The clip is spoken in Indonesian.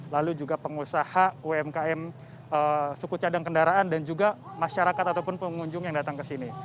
lalu juga pengusaha umkm suku cadang kendaraan dan juga masyarakat ataupun pengunjung yang datang ke sini